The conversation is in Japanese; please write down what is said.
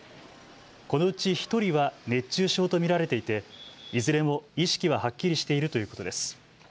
このうち１人は熱中症と見られていて、いずれも意識ははっきりしているということです。